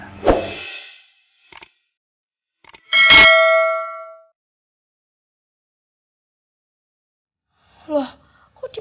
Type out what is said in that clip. yuh padahal sayang wax ya makasih